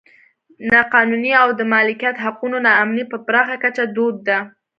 نا قانوني او د مالکیت حقونو نا امني په پراخه کچه دود ده.